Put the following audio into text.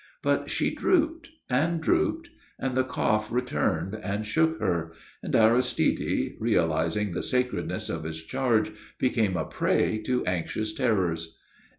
But she drooped and drooped, and the cough returned and shook her; and Aristide, realizing the sacredness of his charge, became a prey to anxious terrors.